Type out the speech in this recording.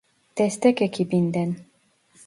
Destek ekibinden